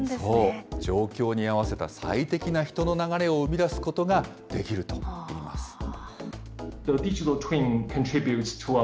そう、状況に合わせた最適な人の流れを生み出すことができるといいます。